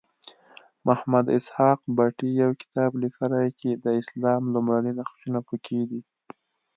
محمد اسحاق بټي یو کتاب لیکلی چې د اسلام لومړني نقشونه پکې دي.